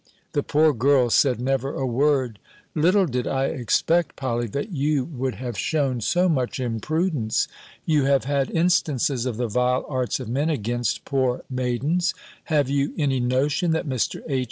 The poor girl said never a word. "Little did I expect, Polly, that you would have shewn so much imprudence. You have had instances of the vile arts of men against poor maidens: have you any notion that Mr. H.